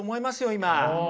今。